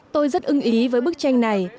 tôi rất ưng ý với bức tranh này